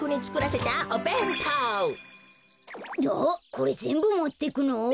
これぜんぶもってくの？